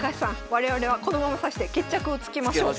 我々はこのまま指して決着をつけましょう。